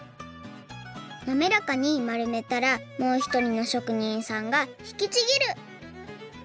なめらかにまるめたらもうひとりのしょくにんさんが引きちぎる！